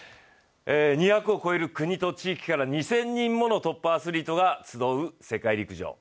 ２００を超える国と地域から２０００人を超えるトップアスリートが集う世界陸上。